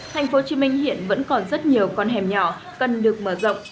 thành phố hồ chí minh hiện vẫn còn rất nhiều con hẻm nhỏ cần được mở rộng